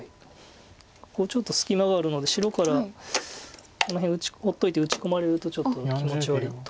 ここちょっと隙間があるので白からこの辺放っといて打ち込まれるとちょっと気持ち悪いとこですか。